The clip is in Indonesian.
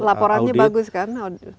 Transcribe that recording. laporannya bagus kan